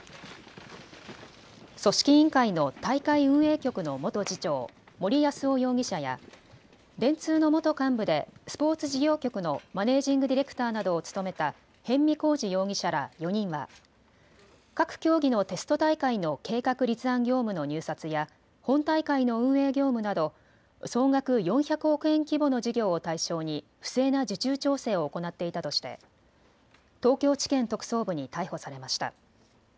組織委員会の大会運営局の元次長、森泰夫容疑者や電通の元幹部でスポーツ事業局のマネージング・ディレクターなどを務めた逸見晃治容疑者ら４人は各競技のテスト大会の計画立案業務の入札や本大会の運営業務など総額４００億円規模の事業を対象に不正な受注調整を行っていたとして東京地検特捜部に逮捕されました。